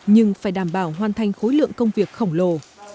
nhưng phải đảm bảo hoàn thành khối lượng công việc khổng lồ